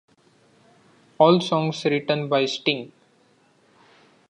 All songs written by Sting.